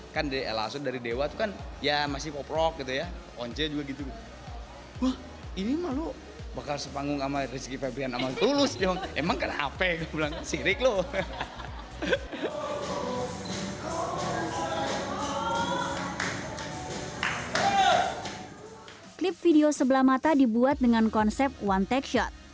klik video sebelah mata dibuat dengan konsep one take shot